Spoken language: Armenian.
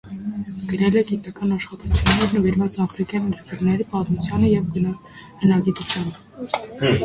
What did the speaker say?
Գրել է գիտական աշխատություններ՝ նվիրված աֆրիկյան երկրների պատմությանը և հնագիտությանը։